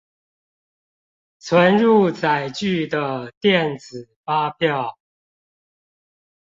存入載具的電子發票